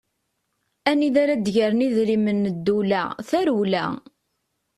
Anida ara d-gren idrimen n ddewla, tarewla!